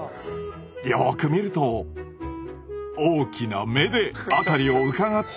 よく見ると大きな目で辺りをうかがってますね。